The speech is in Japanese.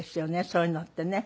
そういうのってね。